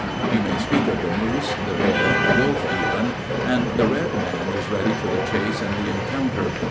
You may speak of the moose, the bear, and the wolf even, and the red man is ready for the chase and the encounter.